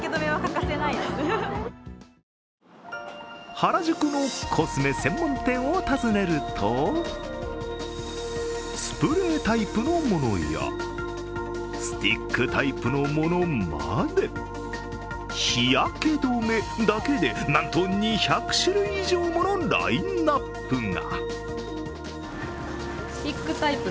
原宿のコスメ専門店を訪ねるとスプレータイプのものやスティックタイプのものまで日焼け止めだけで、なんと２００種類以上ものラインナップが。